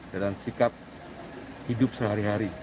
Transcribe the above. dalam sikap hidup sehari hari